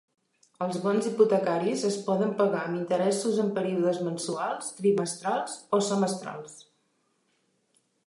Els bons hipotecaris es poden pagar amb interessos en períodes mensuals, trimestrals o semestrals.